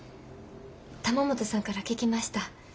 玉本さんから聞きました。